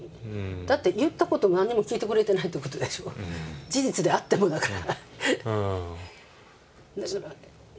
だって言ったこと何にも聞いてくれないってことでしょう、事実であってもだから。